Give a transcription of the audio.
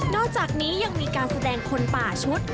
อกจากนี้ยังมีการแสดงคนป่าชุด